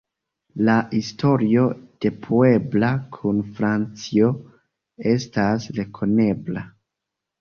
La historio de Puebla kun Francio estas rekonebla.